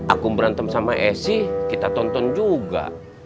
aku berantem sama esy kita tonton juga